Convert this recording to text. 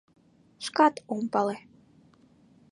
— Шкат ом пале...